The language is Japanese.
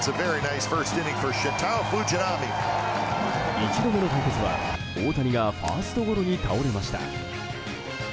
１度目の対決は、大谷がファーストゴロに倒れました。